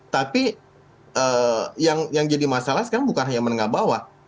tapi yang jadi masalah sekarang bukan hanya menengah bawah